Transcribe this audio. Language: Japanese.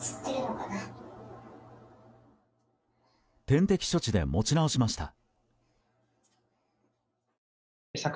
点滴処置で持ち直しました。